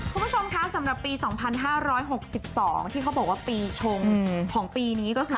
คุณผู้ชมค่ะสำหรับปีสองพันห้าร้อยหกสิบสองที่เขาบอกว่าปีชงของปีนี้ก็คือ